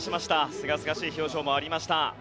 すがすがしい表情もありました。